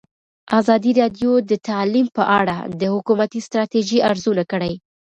ازادي راډیو د تعلیم په اړه د حکومتي ستراتیژۍ ارزونه کړې.